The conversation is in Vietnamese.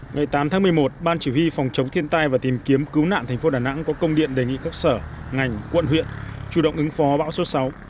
ngày tám tháng một mươi một ban chỉ huy phòng chống thiên tai và tìm kiếm cứu nạn thành phố đà nẵng có công điện đề nghị các sở ngành quận huyện chủ động ứng phó bão số sáu